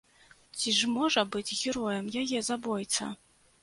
Ці ж можа быць героем яе забойца?